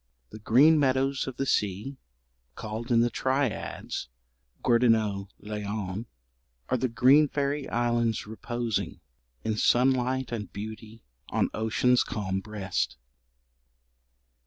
The green meadows of the sea, called in the triads Gwerddonau Llion, are the Green fairy islands, reposing, In sunlight and beauty on ocean's calm breast.